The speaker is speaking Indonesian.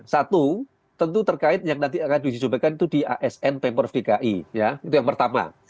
satu tentu terkait yang nanti akan diuji cobakan itu di asn pemprov dki ya itu yang pertama